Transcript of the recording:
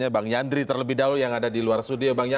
bisa terlebih dahulu prime news akan segera kembali